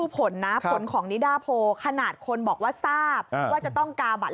แป้งไปได้ยังไง